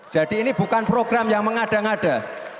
jadi ini bukan program yang mengada ngada